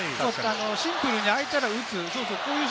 シンプルに空いたら打つ。